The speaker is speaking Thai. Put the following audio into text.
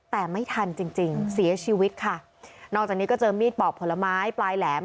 แต่ไม่ทันจริงจริงเสียชีวิตค่ะนอกจากนี้ก็เจอมีดปอกผลไม้ปลายแหลม